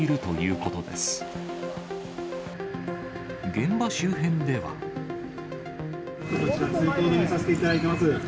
こちら、通行止めにさせていただいています。